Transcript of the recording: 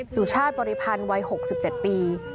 สุชาติบริพันธ์วัย๖๗ปี